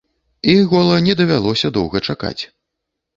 І гола не давялося доўга чакаць.